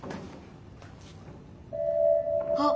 あっ！